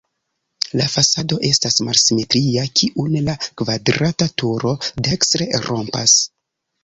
La fasado estas malsimetria, kiun la kvadrata turo dekstre rompas.